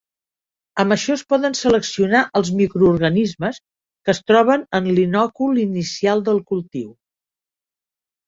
Amb això es poden seleccionar els microorganismes que es troben en l'inòcul inicial del cultiu.